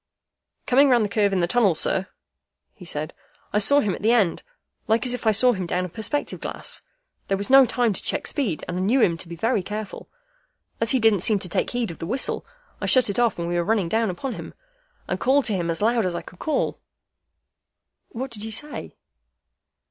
"Coming round the curve in the tunnel, sir," he said, "I saw him at the end, like as if I saw him down a perspective glass. There was no time to check speed, and I knew him to be very careful. As he didn't seem to take heed of the whistle, I shut it off when we were running down upon him, and called to him as loud as I could call." "What did you say?"